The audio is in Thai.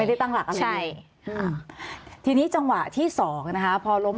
ไม่ได้ตั้งหลักกันเลยใช่ค่ะอืม